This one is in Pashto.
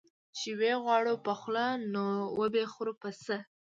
چي وې غواړې په خوله، نو وبې خورې په څه؟